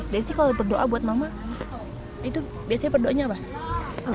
desi kalau berdoa buat mama itu biasanya berdoanya apa